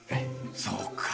そうか。